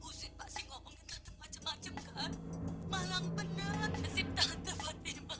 usit pasti ngomongin tante macam macam kan malang beneran nasib tante fatima